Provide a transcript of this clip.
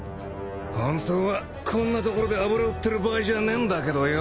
本当はこんな所で油売ってる場合じゃねんだけどよ。